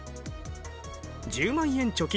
１０万円貯金。